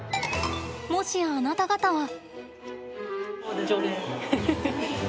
もしや、あなた方は。